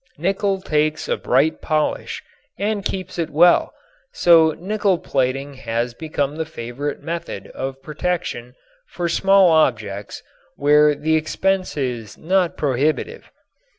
Nickel takes a bright polish and keeps it well, so nickel plating has become the favorite method of protection for small objects where the expense is not prohibitive.